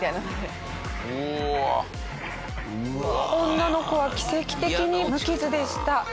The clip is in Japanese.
女の子は奇跡的に無傷でした。